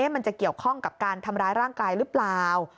มันจะเกี่ยวข้องกับการทำร้ายร่างกายหรือเปล่า